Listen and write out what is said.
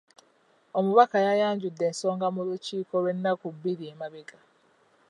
Omubaka yayanjudde ensonga mu lukiiko lw'ennaku bbiri emabega.